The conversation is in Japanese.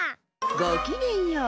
ごきげんよう。